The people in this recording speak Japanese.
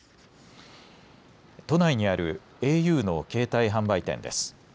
都内にあるａｕの携帯販売店です。